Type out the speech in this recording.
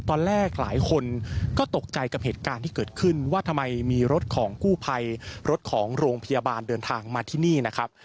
หลายคนก็ตกใจกับเหตุการณ์ที่เกิดขึ้นว่าทำไมมีรถของกู้ภัยรถของโรงพยาบาลเดินทางมาที่นี่นะครับ